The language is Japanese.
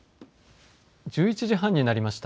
１１時半になりました。